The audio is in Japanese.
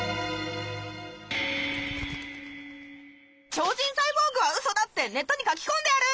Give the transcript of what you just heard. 超人サイボーグはうそだってネットに書きこんでやる！